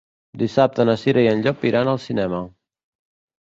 Dissabte na Cira i en Llop iran al cinema.